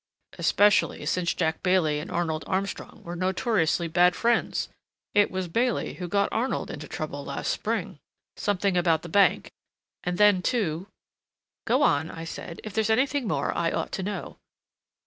"Especially since Jack Bailey and Arnold Armstrong were notoriously bad friends. It was Bailey who got Arnold into trouble last spring—something about the bank. And then, too—" "Go on," I said. "If there is anything more, I ought to know."